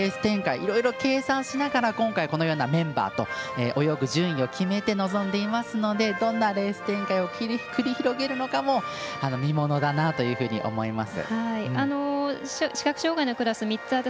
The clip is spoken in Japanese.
いろいろ計算しながら今回、こういうメンバー泳ぐ順番と決めて臨んでいますのでどんなレース展開を繰り広げるかというのも見ものです。